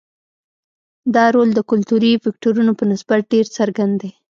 دا رول د کلتوري فکټورونو په نسبت ډېر څرګند دی.